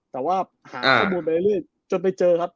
แต่ว่าหารบูหลายเรื่อย